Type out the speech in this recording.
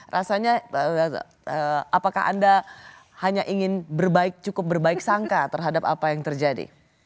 rasanya apakah anda hanya ingin cukup berbaik sangka terhadap apa yang terjadi